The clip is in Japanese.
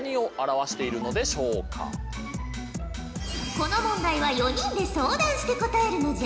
この問題は４人で相談して答えるのじゃ。